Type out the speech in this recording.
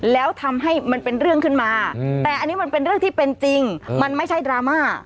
แล้วทำให้มันเป็นเรื่องขึ้นมาแต่อันนี้มันเป็นเรื่องที่เป็นจริงมันไม่ใช่ดราม่า